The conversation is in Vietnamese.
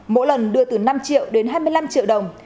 mỗi lần đưa từ năm triệu đến hai mươi năm triệu đồng